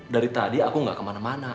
dari tadi aku gak kemana mana